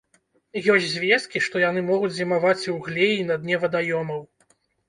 Ёсць звесткі, што яны могуць зімаваць і ў глеі на дне вадаёмаў.